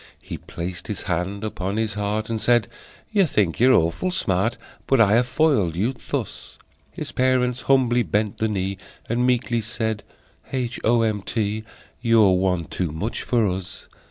He placed his hand upon his heart, And said: "You think you're awful smart, But I have foiled you thus!" His parents humbly bent the knee, And meekly said: "H. O. M. T., You're one too much for us!"